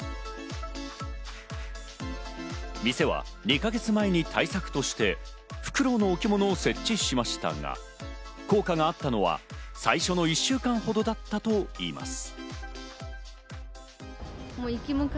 店は２か月前に対策としてフクロウの置物を設置しましたが、効果があったのは最初の１週間ほどだったといいます。